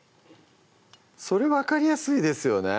それ分かりやすいですよね